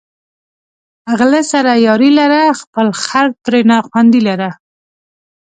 غله سره یاري لره، خپل خر ترېنه خوندي لره